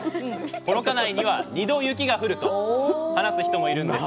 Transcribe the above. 「幌加内には二度雪が降る」と話す人もいるんです。